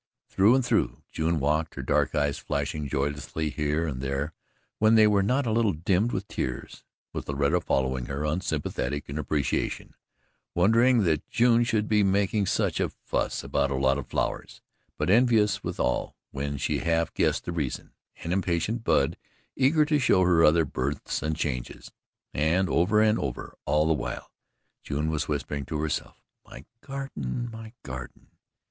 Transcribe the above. Through and through June walked, her dark eyes flashing joyously here and there when they were not a little dimmed with tears, with Loretta following her, unsympathetic in appreciation, wondering that June should be making such a fuss about a lot of flowers, but envious withal when she half guessed the reason, and impatient Bub eager to show her other births and changes. And, over and over all the while, June was whispering to herself: "My garden MY garden!"